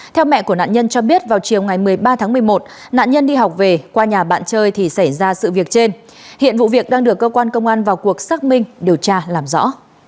theo mẹ của nạn nhân cho biết vào chiều ngày một mươi ba tháng một mươi một nạn nhân đi học về qua nhà bạn chơi thì xảy ra sự việc trên hiện vụ việc đang được cơ quan công an vào cuộc xác minh điều tra làm rõ